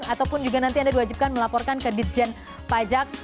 ataupun juga nanti anda diwajibkan melaporkan ke ditjen pajak